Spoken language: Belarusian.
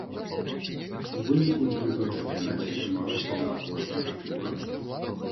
У выніку інтрыга ў чэмпіянаце трымалася да апошняга тура.